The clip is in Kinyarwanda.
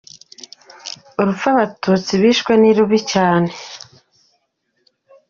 Urupfu Abatutsi bishwe, ni rubi cyane.